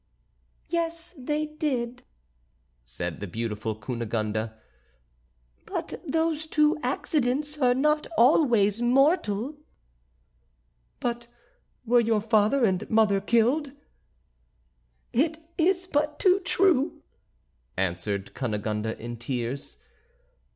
"Yes, they did," said the beautiful Cunegonde; "but those two accidents are not always mortal." "But were your father and mother killed?" "It is but too true," answered Cunegonde, in tears.